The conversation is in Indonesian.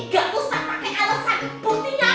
gak usah pake alesan